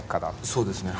そうですね。